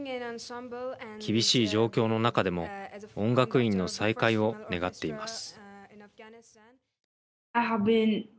厳しい状況の中でも音楽院の再開を願っています。